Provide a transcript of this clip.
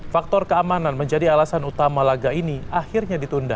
faktor keamanan menjadi alasan utama laga ini akhirnya ditunda